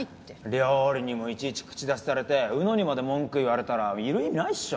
料理にもいちいち口出しされてＵＮＯにまで文句言われたらいる意味ないっしょ。